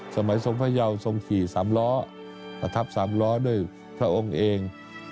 สมัยทรงพระยาวทรงขี่สามล้อประทับ๓ล้อด้วยพระองค์เอง